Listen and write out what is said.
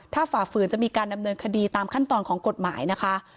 ถ้าฝ่าฝืนจะมีการดำเนินคดีตามขั้นตอนของกฎหมายนะคะ